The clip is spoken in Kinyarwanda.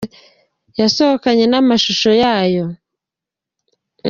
Yasohokanye n’amashusho yayo